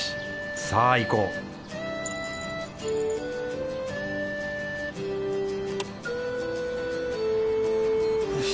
さあ行こうよし。